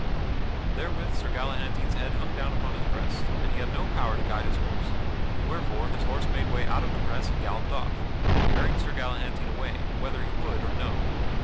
Therewith Sir Galahantine's head hung down upon his breast and he had no power to guide his horse, wherefore his horse made way out of the press and galloped off, bearing Sir Galahantine away, whether he would or no.